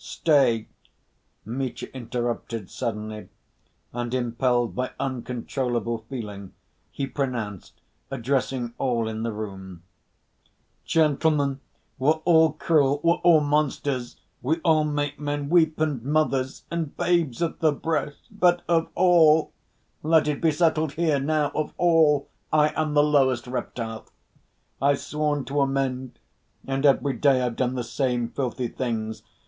"Stay," Mitya interrupted, suddenly, and impelled by uncontrollable feeling he pronounced, addressing all in the room: "Gentlemen, we're all cruel, we're all monsters, we all make men weep, and mothers, and babes at the breast, but of all, let it be settled here, now, of all I am the lowest reptile! I've sworn to amend, and every day I've done the same filthy things.